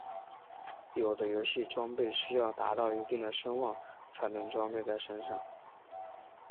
有的游戏装备需要达到一定的声望才能装备在身上。